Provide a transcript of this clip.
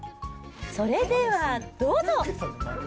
それではどうぞ。